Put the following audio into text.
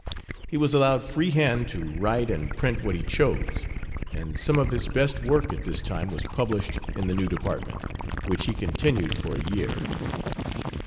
He was allowed free hand to write and print what he chose, and some of his best work at this time was published in the new department, which he continued for a year.